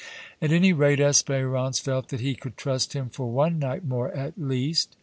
At any rate, Espérance felt that he could trust him for one night more at least.